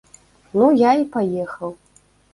Ну я і паехаў.